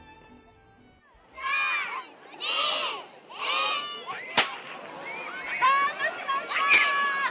３、２、１。スタートしました。